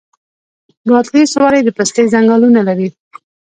بادغیس ولې د پستې ځنګلونه لري؟